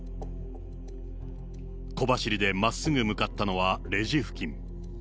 小走りでまっすぐ向かったのはレジ付近。